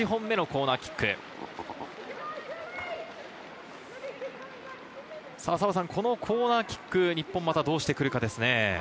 コーナーキック、日本どうしてくるかですね。